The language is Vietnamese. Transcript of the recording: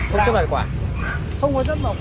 cái này anh đợi hai tháng